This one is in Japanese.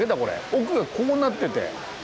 奥がこうなってて。